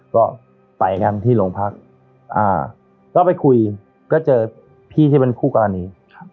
ก็ไปกันที่โรงพักก็ไปคุยก็เจอพี่ที่เป็นคู่กรณี